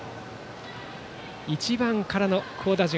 １番からの好打順。